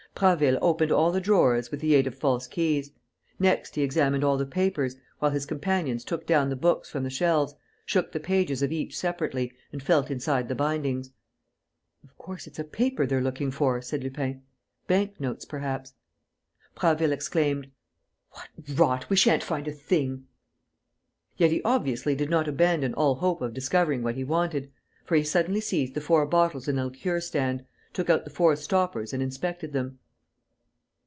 Prasville opened all the drawers with the aid of false keys. Next, he examined all the papers, while his companions took down the books from the shelves, shook the pages of each separately and felt inside the bindings. "Of course, it's a paper they're looking for," said Lupin. "Bank notes, perhaps...." Prasville exclaimed: "What rot! We shan't find a thing!" Yet he obviously did not abandon all hope of discovering what he wanted, for he suddenly seized the four bottles in a liqueur stand, took out the four stoppers and inspected them.